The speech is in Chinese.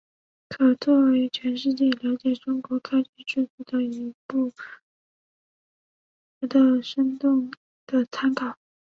可作为全世界了解中国科举制度的一部活的生动的参考。